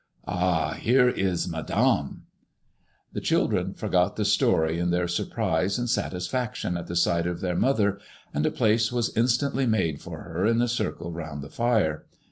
Ah ! here is Madame." The children forgot the story in their surprise and satisfaction at the sight of their mother, and a place was instantly made fot her in the circle round the fire.